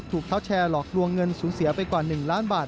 เท้าแชร์หลอกลวงเงินสูญเสียไปกว่า๑ล้านบาท